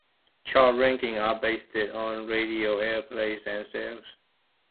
Chart rankings are based on radio airplay and sales.